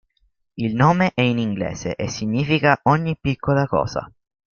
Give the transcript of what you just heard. Il nome è in inglese e significa "ogni piccola cosa".